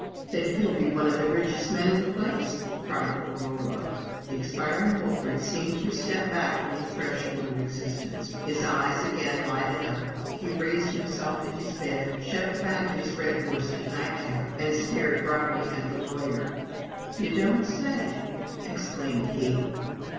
"That he'll be one of the richest men in the place!" cried little RoUebuck. The expiring Wolfert seemed to step back from the threshold of existence; his eyes again lighted up; he raised himself in his bed, shoved back his red worsted night cap, and stared broadly at the lawyer. "You don't say so!" exclaimed he.